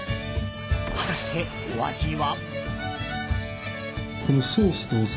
果たしてお味は。